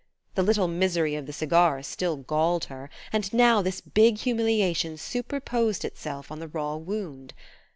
The little misery of the cigars still galled her, and now this big humiliation superposed itself on the raw wound.